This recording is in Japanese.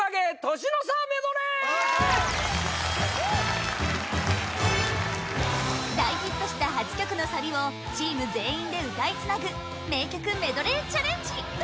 年の差メドレー大ヒットした８曲のサビをチーム全員で歌いつなぐ名曲メドレーチャレンジ